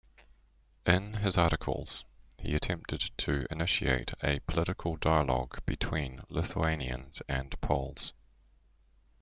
In his articles, he attempted to initiate a political dialogue between Lithuanians and Poles.